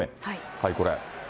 はい、これ。